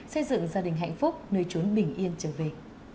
xây dựng gia đình hạnh phúc nơi trốn bình yên trở về